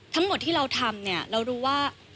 ทั้งหมดที่เราทำเนี่ยเรารู้ว่า